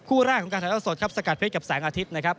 คู่แรกของกาศัลยาวสดครับสกัดเพชรกับแสงอาทิตย์นะครับ